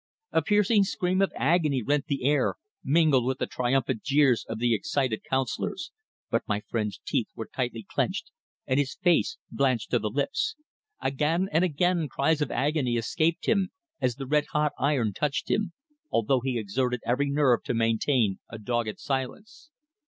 A piercing scream of agony rent the air, mingled with the triumphant jeers of the excited councillors, but my friend's teeth were tightly clenched and his face blanched to the lips. Again and again cries of agony escaped him as the red hot iron touched him, although he exerted every nerve to maintain a dogged silence.